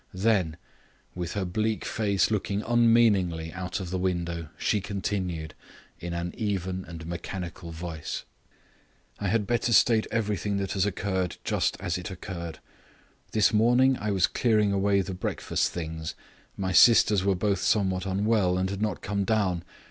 Then, with her bleak face looking unmeaningly out of the window, she continued, in an even and mechanical voice: "I had better state everything that occurred just as it occurred. This morning I was clearing away the breakfast things, my sisters were both somewhat unwell, and had not come down.